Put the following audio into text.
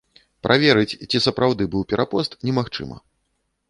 Праверыць, ці сапраўды быў перапост, немагчыма.